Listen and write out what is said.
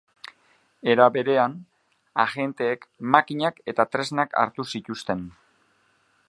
Era berean, agenteek makinak eta tresnak hartu zituzten.